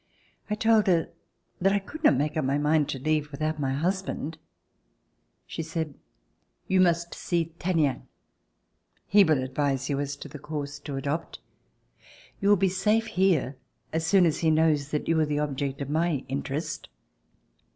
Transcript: I told her that I could not make up my mind to leave without my husband. She said, "You must see Tallien. He will advise you as to the course to adopt. You will be safe here as soon as he knows that you are the object of my interest."